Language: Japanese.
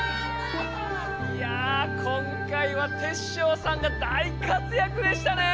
いや今回はテッショウさんが大かつやくでしたね！